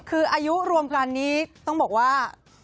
คืออายุรวมกันนี้ต้องบอกว่า